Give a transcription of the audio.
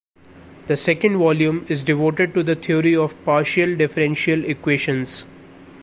The second volume is devoted to the theory of partial differential equations.